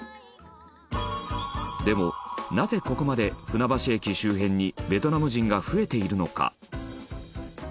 でも、なぜ、ここまで船橋駅周辺にベトナム人が増えているのか？